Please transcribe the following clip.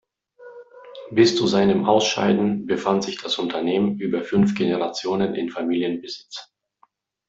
Bis zu seinem Ausscheiden befand sich das Unternehmen über fünf Generationen in Familienbesitz.